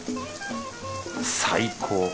最高！